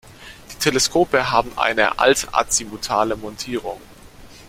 Die Teleskope haben eine alt-azimutale-Montierung.